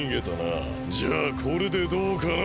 じゃあこれでどうかな？